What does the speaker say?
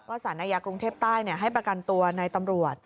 ว่าศาลนัยกรุงเทพฯใต้ให้ประกันตัวในตำรวจ